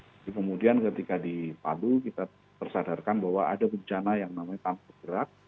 jadi kemudian ketika di palu kita tersadarkan bahwa ada bencana yang namanya tanpa gerak